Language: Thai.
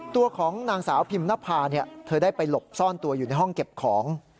ตัวของนางสาวพิมนภาเธอได้ไปหลบซ่อนตัวอยู่ในห้องเก็บของ